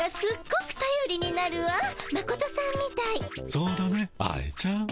そうだね愛ちゃん。